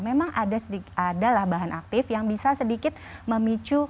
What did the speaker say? memang adalah bahan aktif yang bisa sedikit memicu